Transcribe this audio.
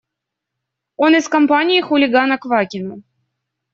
Он из компании хулигана Квакина.